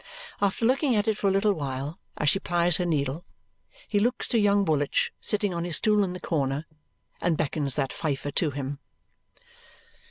After looking at it for a little while as she plies her needle, he looks to young Woolwich, sitting on his stool in the corner, and beckons that fifer to him.